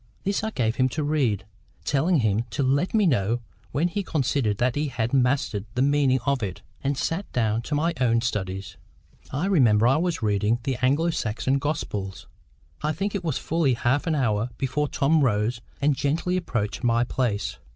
This I gave him to read, telling him to let me know when he considered that he had mastered the meaning of it, and sat down to my own studies. I remember I was then reading the Anglo Saxon Gospels. I think it was fully half an hour before Tom rose and gently approached my place.